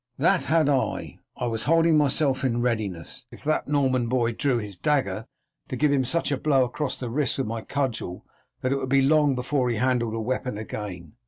"That had I. I was holding myself in readiness, if that Norman boy drew his dagger, to give him such a blow across the wrist with my cudgel that it would be long before he handled a weapon again.